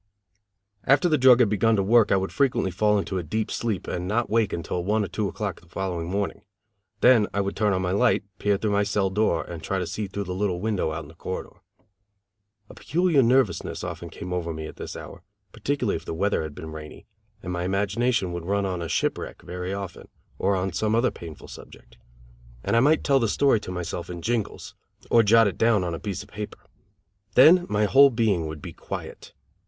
After the drug had begun to work I would frequently fall into a deep sleep and not wake until one or two o'clock the following morning; then I would turn on my light, peer through my cell door, and try to see through the little window out in the corridor. A peculiar nervousness often came over me at this hour, particularly if the weather had been rainy, and my imagination would run on a ship wreck very often, or on some other painful subject; and I might tell the story to myself in jingles, or jot it down on a piece of paper. Then my whole being would be quiet.